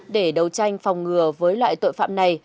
để đấu tranh phòng ngừa với loại tội phạm này